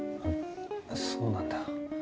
あっそうなんだ。